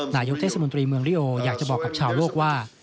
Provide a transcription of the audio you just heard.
นายกเทศมนตรีเมืองริโออยากจะบอกกับชาวโลกว่า